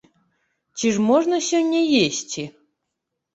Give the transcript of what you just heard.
Ці ж можна сёння есці?